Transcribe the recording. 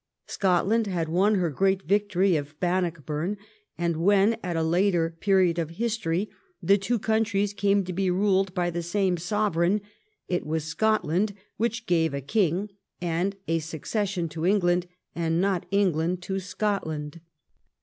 Scotland had won her great victory of Bannockburn, and when, at a later period of history, the two countries came to be ruled by the same Sovereign it was Scotland which gave a King and a succession to England and not England to Scotland.